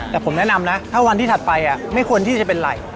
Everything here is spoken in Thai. แต่ผมแนะนำนะถ้าวันที่ถัดไปไม่ควรที่จะเป็นไร